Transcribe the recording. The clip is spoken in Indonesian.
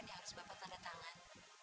yang harus bapak tanda tangan